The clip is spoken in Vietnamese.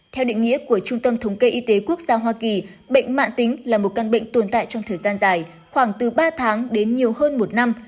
theo định nghĩa của trung tâm thống kê y tế quốc gia hoa kỳ bệnh mạng tính là một căn bệnh tồn tại trong thời gian dài khoảng từ ba tháng đến nhiều hơn một năm